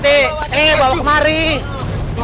sekarang kita meraikan